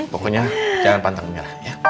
pokoknya jangan pantang pantang ya